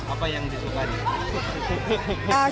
apa yang disukai